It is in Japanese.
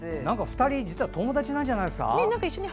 ２人実は友達なんじゃないですか。